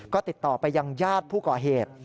ก็ติดต่อไปยังญาติผู้ก่อเหตุ